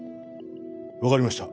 分かりました